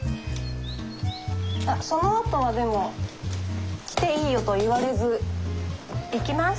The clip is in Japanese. あっそのあとはでも来ていいよと言われず行きますって。